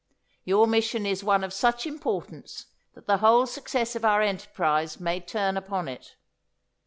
Your mission is one of such importance that the whole success of our enterprise may turn upon it.